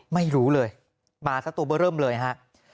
ไม่รู้เลยมาซะตัวเบอร์เริ่มเลยฮะ